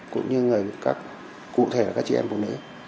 cũng như người cụ thể là các chị em phụ nữ